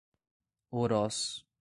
Orós